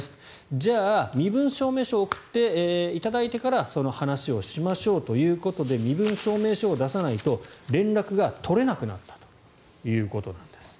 じゃあ、身分証明書を送っていただいてからその話をしましょうということで身分証明書を出さないと連絡が取れなくなったということです。